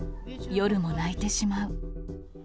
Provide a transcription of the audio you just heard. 夜も泣いてしまう。